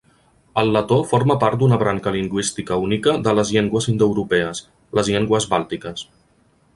El letó forma part d'una branca lingüística única de les llengües indoeuropees: les llengües bàltiques.